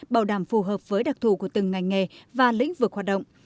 bảo đảm phù hợp với đặc thù của từng ngành nghề và lĩnh vực hoạt động